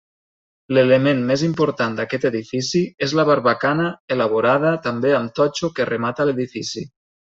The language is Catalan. L'element més important d'aquest edifici és la barbacana elaborada també amb totxo que remata l'edifici.